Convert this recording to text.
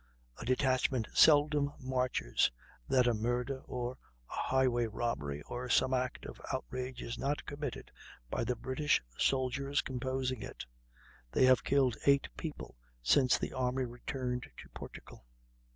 "A detachment seldom marches... that a murder, or a highway robbery, or some act of outrage is not committed by the British soldiers composing it. They have killed eight people since the army returned to Portugal."